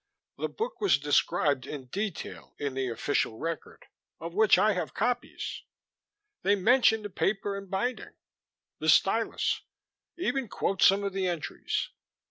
"The book was described in detail in the official record, of which I have copies. They mention the paper and binding, the stylus, even quote some of the entries.